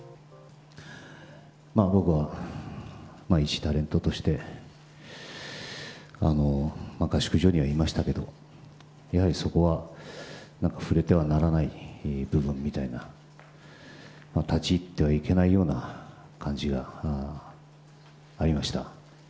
僕は、いちタレントとして、合宿所にはいましたけど、やはりそこは、なんか触れてはならない部分みたいな、立ち入ってはいけないような感じがありました。